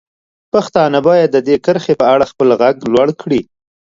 پښتانه باید د دې کرښې په اړه خپل غږ لوړ کړي.